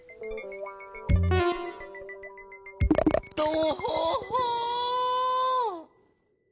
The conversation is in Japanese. とほほ！